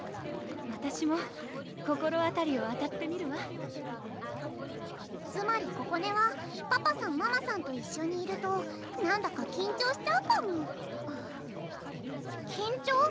わたしも心当たりを当たってみるわつまりここねはパパさんママさんと一緒にいるとなんだか緊張しちゃうパム緊張？